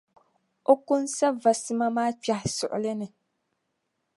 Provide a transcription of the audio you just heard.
O ko n-sa va sima maa kpɛhi suɣili ni.